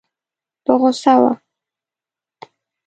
په غوسه وه.